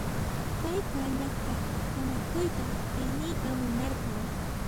Payqa llaqta kamayuqta ayniyta munarqan.